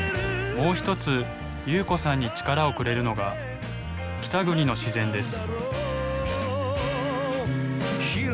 もう一つ夕子さんに力をくれるのが北国の自然です。